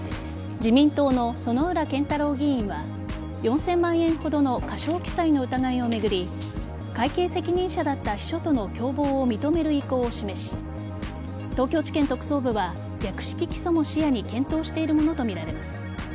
自民党の薗浦健太郎議員は４０００万円ほどの過少記載の疑いを巡り会計責任者だった秘書との共謀を認める意向を示し東京地検特捜部は略式起訴も視野に検討しているものとみられます。